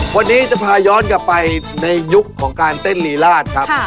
วันนี้จะพาย้อนกลับไปในยุคของการเต้นรีราชครับ